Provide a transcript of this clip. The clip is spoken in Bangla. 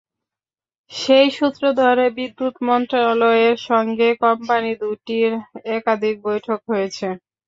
সেই সূত্র ধরে বিদ্যুৎ মন্ত্রণালয়ের সঙ্গে কোম্পানি দুটির একাধিক বৈঠক হয়েছে।